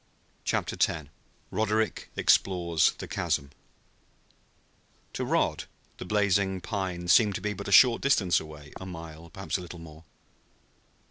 CHAPTER X RODERICK EXPLORES THE CHASM To Rod the blazing pine seemed to be but a short distance away a mile, perhaps a little more.